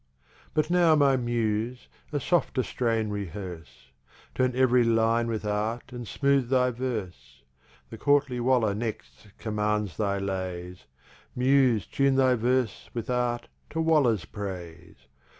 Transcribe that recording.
But now my Muse, a softer strain rehearse. Turn every Line with Art, and smooth thy Verse; The Courtly Waller next commands thy Lays: Muse Tune thy Verse, with Art, to Waller's Praise.